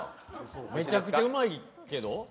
めちゃくちゃうまいけど？